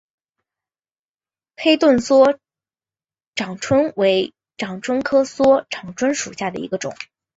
黑盾梭长蝽为长蝽科梭长蝽属下的一个种。